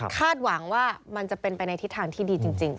หวังว่ามันจะเป็นไปในทิศทางที่ดีจริง